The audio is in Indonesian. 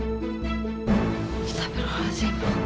tak perlu mas